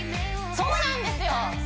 そうなんですよ